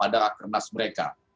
dari pernas mereka